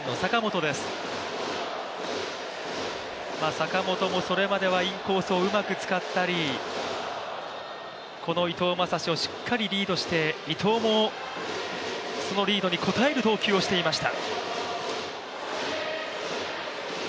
坂本もそれまではインコースをうまく使ったりこの伊藤将司をしっかりリードして伊藤もそのリードに応える投球をしていました。